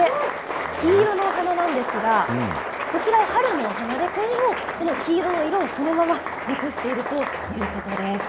黄色のお花なんですがこちらは春のお花でこれも黄色の色をそのまま残しているということです。